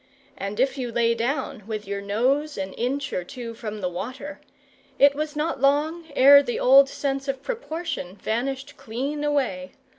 And if you lay down with your nose an inch or two from the water, it was not long ere the old sense of proportion vanished clean away.